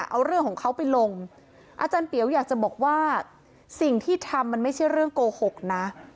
เอาเรื่องของเขาไปลงอาจารย์เตี๋ยวอยากจะบอกว่าสิ่งที่ทำมันไม่ใช่เรื่องโกหกนะ